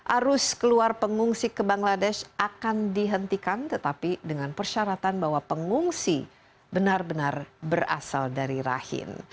arus keluar pengungsi ke bangladesh akan dihentikan tetapi dengan persyaratan bahwa pengungsi benar benar berasal dari rahim